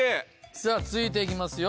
さぁ続いていきますよ